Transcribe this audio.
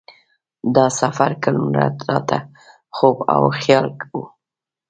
دا سفر کلونه راته خوب او خیال و.